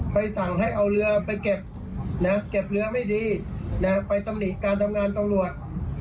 ไปเก็บเหลือไม่ดีไปสำนีกการทำงานตำรวจ